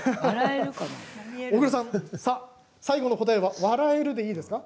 大黒さん、最後の答えは笑えるでいいですか？